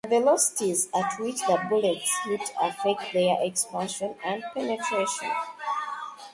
The velocities at which the bullets hit affect their expansion and penetration.